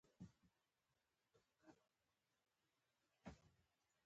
ـ اختر پټ ميړه نه دى ،چې تېر شي.